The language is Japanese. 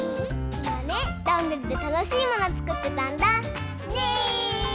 いまねどんぐりでたのしいものつくってたんだ。ね！